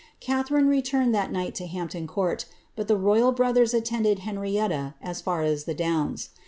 Catharine returned that night to Hampton Court, but the royal brothers attended Henrietta as far as the Downs.